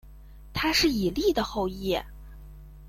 他是以利的后裔。